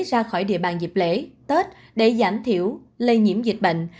ra khỏi địa bàn dịp lễ tết để giảm thiểu lây nhiễm dịch bệnh